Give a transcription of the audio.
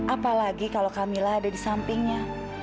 apalagi kalau kamila ada di sampingnya